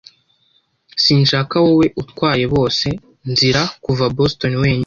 sinshaka wowe utwaye bose nzira kuva Boston wenyine.